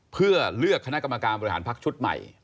เพื่อเลือกคณะกรรมการบริหารพักชุดใหม่